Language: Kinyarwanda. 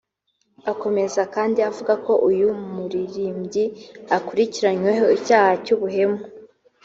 Akomeza kandi avuga ko uyu muririmbyi akurikiranyweho icyaha cy’ ubuhemu